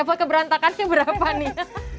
ramput keberantakannya berapa nih